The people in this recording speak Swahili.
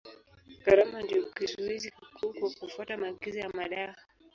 Gharama ndio kizuizi kikuu kwa kufuata maagizo ya madawa.